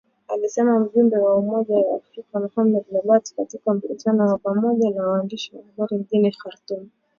Alisema mjumbe wa Umoja wa Afrika, Mohamed Lebatt katika mkutano wa pamoja na waandishi wa habari mjini Khartoum